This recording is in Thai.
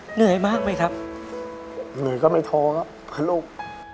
เหนื่อยมากไหมครับเหนื่อยก็ไม่ท้อครับเพื่อลูก